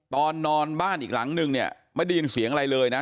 ตอนนอนบ้านอีกหลังนึงเนี่ยไม่ได้ยินเสียงอะไรเลยนะ